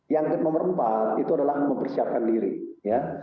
yang nomor empat itu adalah mempersiapkan diri ya